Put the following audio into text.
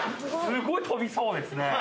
すごい飛びそうですね